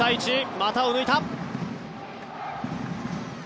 股を抜いた。